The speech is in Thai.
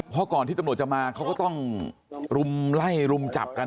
เพราะก่อนที่ตำรวจจะมาเขาก็ต้องรุมไล่รุมจับกัน